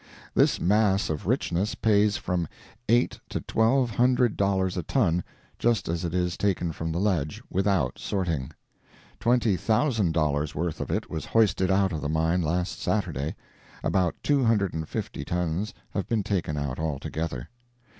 This mass of richness pays from eight to twelve hundred dollars a ton just as it is taken from the ledge, without "sorting." Twenty thousand dollars' worth of it was hoisted out of the mine last Saturday; about two hundred and fifty tons have been taken out altogether.